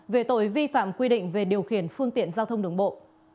về tội vi phạm quy định về điều khiển phương tiện giao thông đường bộ